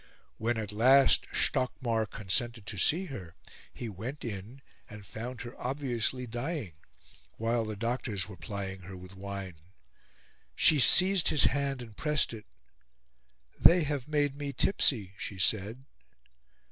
When, at last, Stockmar consented to see her; he went in, and found her obviously dying, while the doctors were plying her with wine. She seized his hand and pressed it. "They have made me tipsy," she said.